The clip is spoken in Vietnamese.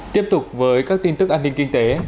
tiếp tục với các tin tức an ninh kinh tế